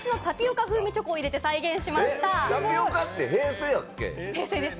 タピオカって平成やっけ？